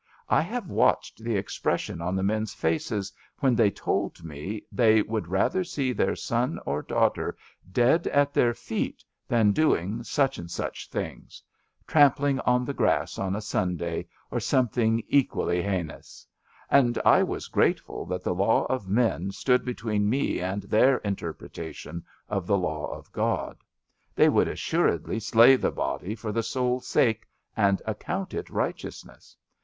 I have watched the expression on the men's faces when they told me that they would rather see their son or daughter dead at their feet than doing such and such things — trampling on the grass on a Sunday, or something equally hei 182 ABAFT THE FUNNEL nous — ^and I was grateful that the law of men stood between me and their interpretation of the law of God. They would assuredly slay the body for the souPs sake and account it righteousness.